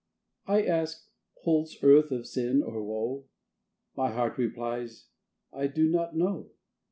I ask, "Holds earth of sin, or woe?" My heart replies, "I do not know."